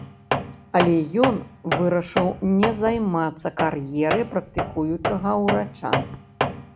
Але ён вырашыў не займацца кар'ерай практыкуючага ўрача.